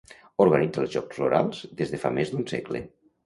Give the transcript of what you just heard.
Organitza els Jocs Florals des de fa més d'un segle.